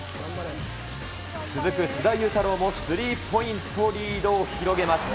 続く須田侑太郎もスリーポイント、リードを広げます。